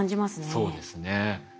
そうですね。